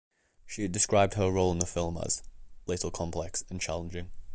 She had described her role in the film as "little complex" and "challenging.